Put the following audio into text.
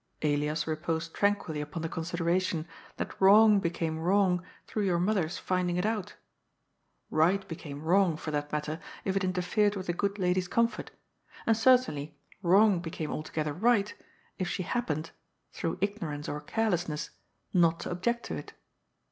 Elias reposed tranquilly upon the consideration that wrong became wrong through your mother's finding it out. Bight be came wrong, for that matter, if it interfered with the good lady's comfort, and certainly wrong became altogether right, if she happened — ^through ignorance or carelessness — ^not to object to it.